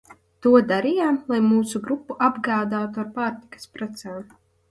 To darījām lai mūsu grupu apgādātu ar pārtikas precēm.